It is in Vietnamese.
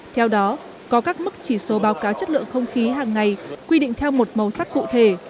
theo đó có các mức chỉ số báo cáo chất lượng không khí hàng ngày quy định theo một màu sắc cụ thể